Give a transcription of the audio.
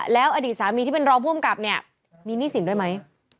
แล้วอดีตสามีที่เป็นรองภูมิกับเนี่ยมีหนี้สินด้วยไหม